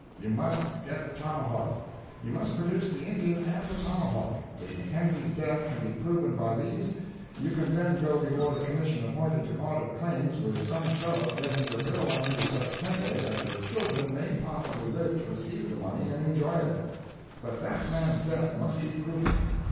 "You must get the tomahawk. You must produce the Indian and the tomahawk. If Mackenzie's death can be proven by these, you can then go before the commission appointed to audit claims with some show of getting your bill under such headway that your children may possibly live to receive the money and enjoy it. But that man's death must be proven.